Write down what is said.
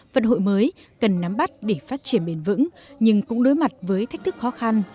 vận hội mới cần nắm bắt để phát triển bền vững nhưng cũng đối mặt với thách thức khó khăn